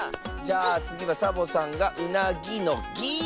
じゃあつぎはサボさんが「うなぎ」の「ぎ」。